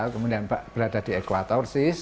kemudian berada di ekwator sis